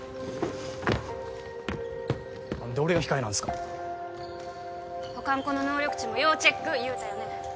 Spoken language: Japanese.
何で俺が控えなんすか他の子の能力値も要チェック言うたよね